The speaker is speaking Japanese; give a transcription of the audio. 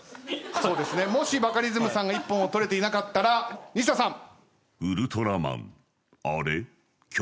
もしバカリズムさんが一本を取れていなかったら西田さん。